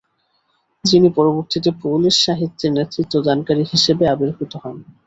যিনি পরবর্তীতে পোলিশ সাহিত্যের নেতৃত্বদানকারী হিসেবে আবির্ভূত হন।